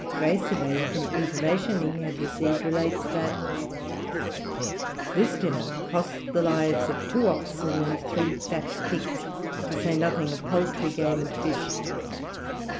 Freycinet, from information he had received, relates that "this dinner cost the lives of two oxen and three fat pigs, to say nothing of poultry, game, and fish.